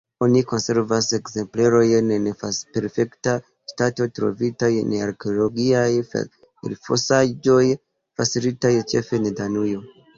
Oni konservas ekzemplerojn en perfekta stato trovitaj en arkeologiaj elfosaĵoj faritaj ĉefe en Danujo.